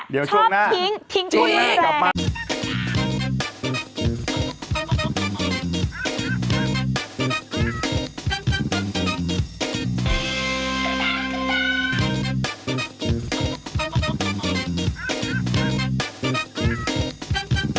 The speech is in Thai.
เนี่ยชอบทิ้งทิ้งคุยด้วย